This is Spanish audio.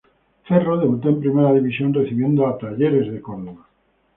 Ferro debutó en primera división recibiendo a Talleres de Córdoba.